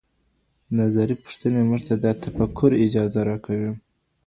نظري پوښتنې موږ ته د تفکر اجازه راکوي.